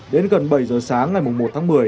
đến gần bảy giờ sáng ngày một tháng một mươi